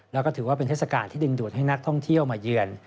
แล้วก็ถือว่าเป็นเทศกาลที่ดึงดูดให้นักท่องเที่ยวมาเยือน